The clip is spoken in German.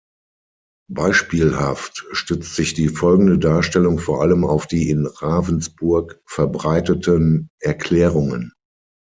Beispielhaft stützt sich die folgende Darstellung vor allem auf die in Ravensburg verbreiteten „Erklärungen“.